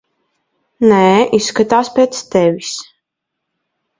Nē, izskatās pēc tevis.